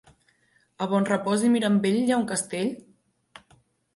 A Bonrepòs i Mirambell hi ha un castell?